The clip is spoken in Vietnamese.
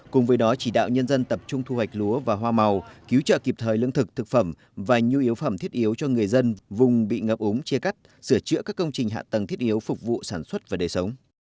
cùng với đó chỉ đạo nhân dân tập trung thu hoạch lúa và hoa màu cứu trợ kịp thời lương thực thực phẩm và nhu yếu phẩm thiết yếu cho người dân vùng bị ngập ống chia cắt sửa chữa các công trình hạ tầng thiết yếu phục vụ sản xuất và đời sống